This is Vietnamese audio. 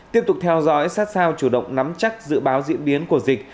tiếp tục theo dõi sát sao chủ động nắm chắc dự báo diễn biến của dịch